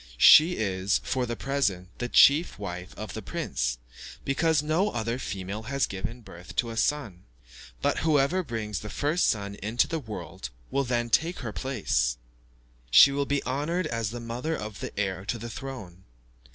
She is, for the present, the chief wife of the prince, because no other female has given birth to a son; but whoever brings the first son into the world will then take her place: she will be honoured as the mother of the heir to the throne.